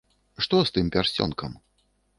Што з тым пярсцёнкам?